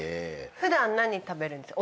普段何食べるんですか？